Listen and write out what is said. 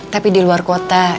tapi di luar kota